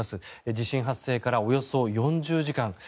地震発生からおよそ４０時間。